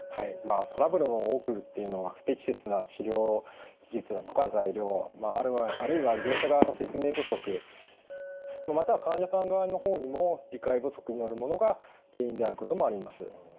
トラブルの多くっていうのは不適切な治療手術だとか材料あるいは医療者側の説明不足または患者さん側の方にも理解不足によるものが原因であることもあります。